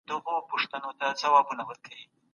د ښځو په تبرع کي د فقهاوو تر منځ اختلاف دی.